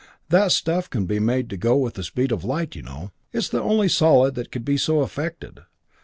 That stuff can be made to go with the speed of light, you know. It's the only solid that could be so affected.